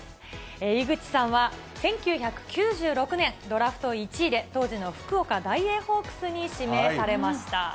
井口さんは１９９６年、ドラフト１位で当時の福岡ダイエーホークスに指名されました。